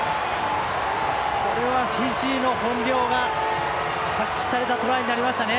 これはフィジーの本領が発揮されたトライになりましたね。